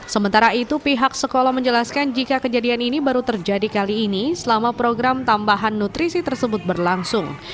sementara itu pihak sekolah menjelaskan jika kejadian ini baru terjadi kali ini selama program tambahan nutrisi tersebut berlangsung